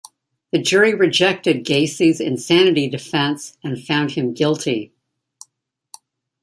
The jury rejected Gacy's insanity defense and found him guilty.